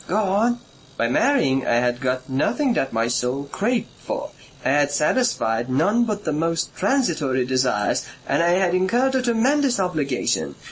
"Go on." "By marrying I had got nothing that my soul craved for, I had satisfied none but the most transitory desires and I had incurred a tremendous obligation.